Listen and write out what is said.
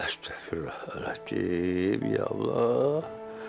astagfirullahaladzim ya allah